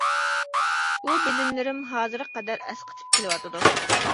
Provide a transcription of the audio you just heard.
بۇ بىلىملىرىم ھازىرغا قەدەر ئەسقېتىپ كېلىۋاتىدۇ.